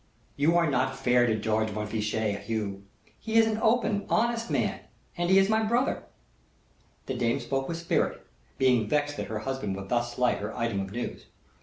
"You are not fair to George Montfichet, Hugh he is an open, honest man, and he is my brother." The dame spoke with spirit, being vexed that her husband should thus slight her item of news.